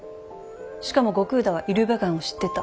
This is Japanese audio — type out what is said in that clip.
しかも後工田はイルベガンを知ってた。